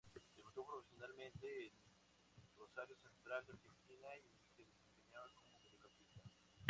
Debutó profesionalmente en Rosario Central de Argentina y se desempeñaba como mediocampista.